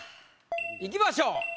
いきましょう。